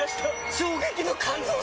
衝撃の感動作！